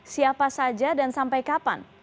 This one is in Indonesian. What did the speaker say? siapa saja dan sampai kapan